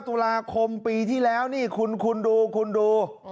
๒๙ตุลาคมปีที่แล้วนี่คุณดู